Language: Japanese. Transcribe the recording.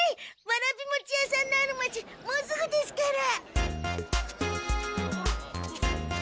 わらび餅屋さんのある町もうすぐですから。